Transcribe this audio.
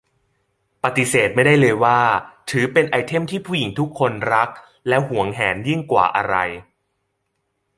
ปฏิเสธไม่ได้เลยว่า ถือเป็นไอเทมที่ผู้หญิงทุกคนรักและหวงแหนยิ่งกว่าอะไร